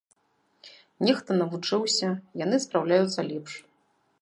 Нехта навучыўся, яны спраўляюцца лепш.